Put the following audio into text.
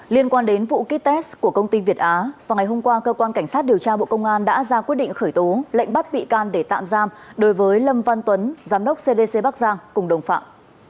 liên quan đến vụ kites của công ty việt á vào ngày hôm qua cơ quan cảnh sát điều tra bộ công an đã ra quyết định khởi tố lệnh bắt bị can để tạm giam đối với lâm văn tuấn giám đốc cdc bắc giang cùng đồng phạm